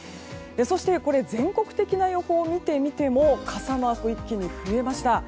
そして全国的な予報を見てみても傘マークが一気に増えました。